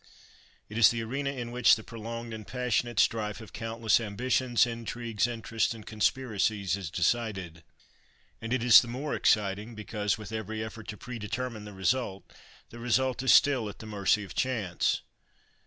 It is the arena in which the prolonged and passionate strife of countless ambitions, intrigues, interests, and conspiracies is decided; and it is the more exciting because, with every effort to predetermine the result, the result is still at the mercy of chance.